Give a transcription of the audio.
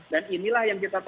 dan inilah yang kita hadapi